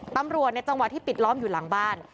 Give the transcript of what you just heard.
ตำรวจในจังหวะที่ปิดล้อมอยู่หลังบ้าน